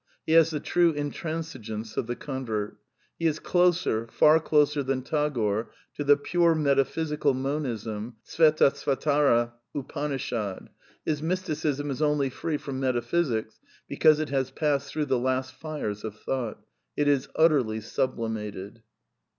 He has the true intransigeance of the convert. He is \ closer, far closer than Tagore — to the pure metaphysical "T^ Monism of the Svetasvatara Upanishad. His mysticism j, is only free from metaphysics because it has passed — Ti through the last fires of thought. It is utterly sublimated.